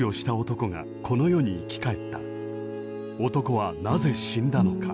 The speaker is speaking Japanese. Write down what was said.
男はなぜ死んだのか。